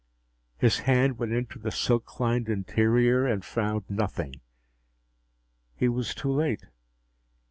His hand went into the silk lined interior and found nothing! He was too late.